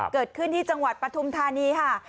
เกิดขึ้นที่จังหวัดปฐุมธานีค่ะ